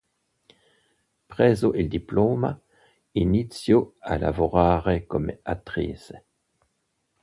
Preso il diploma, iniziò a lavorare come attrice.